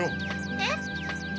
えっ？